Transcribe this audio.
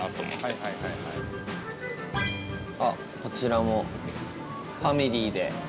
八乙女：こちらもファミリーで。